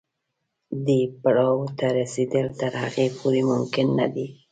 دې پړاو ته رسېدل تر هغې پورې ممکن نه دي.